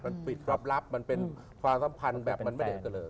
มันปิดรับมันเป็นความสัมพันธ์แบบมันไม่ได้เจริญ